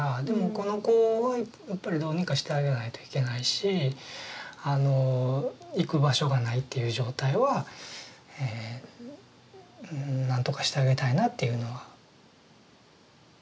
でもこの子はやっぱりどうにかしてあげないといけないしあの行く場所がないっていう状態は何とかしてあげたいなっていうのは。